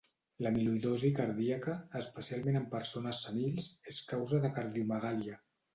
L'amiloïdosi cardíaca, especialment en persones senils, és causa de cardiomegàlia.